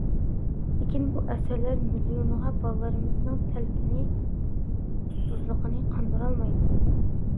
لېكىن بۇ ئەسەرلەر مىليونلىغان بالىلىرىمىزنىڭ تەلىپىنى، ئۇسسۇزلۇقىنى قاندۇرالمايدۇ.